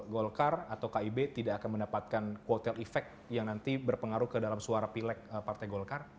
golkar atau kib tidak akan mendapatkan kuotel efek yang nanti berpengaruh ke dalam suara pilek partai golkar